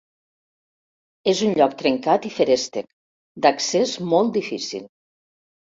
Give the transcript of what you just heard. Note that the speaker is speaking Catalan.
És un lloc trencat i feréstec, d'accés molt difícil.